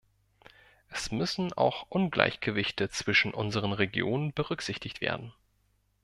Es müssen auch Ungleichgewichte zwischen unseren Regionen berücksichtigt werden.